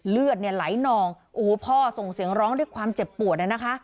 เลือดเนี่ยไหลนองโอ้โหพ่อส่งเสียงร้องด้วยความเจ็บปวดนะคะ